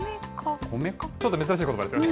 ちょっと珍しいことばですよね。